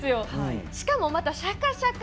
しかも、シャカシャカ